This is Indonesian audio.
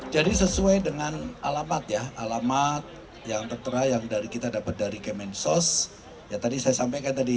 jadi sesuai dengan alamat ya alamat yang tertera yang kita dapat dari kementerian sosial